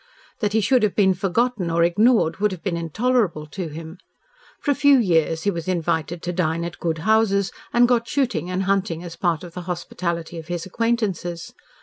That he should have been forgotten or ignored would have been intolerable to him. For a few years he was invited to dine at good houses, and got shooting and hunting as part of the hospitality of his acquaintances.